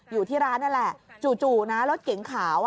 อยู่ที่ร้านนี่แหละจู่นะรถเก๋งขาว